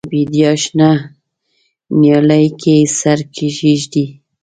د بیدیا شنه نیالۍ کې سر کښېږدي